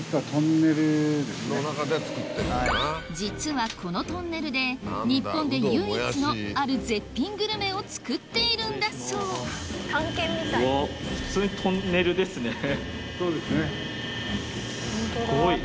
実はこのトンネルで日本で唯一のある絶品グルメを作っているんだそううわ